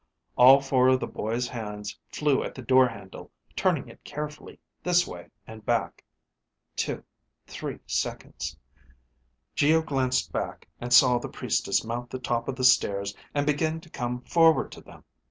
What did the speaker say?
All four of the boy's hands flew at the door handle, turning it carefully, this way, and back. Two, three seconds. Geo glanced back and saw the Priestess mount the top of the stairs and begin to come toward them.